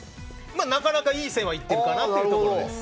なかなかいい線は行っているかなという感じです。